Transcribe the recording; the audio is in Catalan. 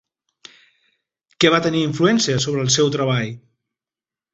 Què va tenir influència sobre el seu treball?